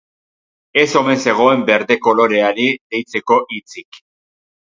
Ez omen zegoen berde koloreari deitzeko hitzik.